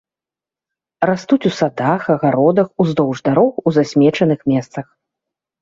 Растуць у садах, агародах, уздоўж дарог, у засмечаных месцах.